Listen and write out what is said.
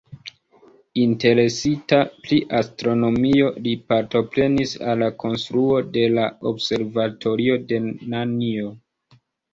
Interesita pri astronomio, li partoprenis al la konstruo de la observatorio de Nan'jo.